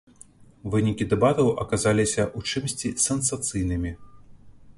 Вынікі дэбатаў аказаліся ў чымсьці сенсацыйнымі.